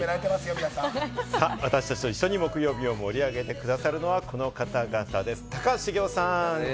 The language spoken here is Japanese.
私達と一緒に木曜日を盛り上げてくださるのはこの方々です。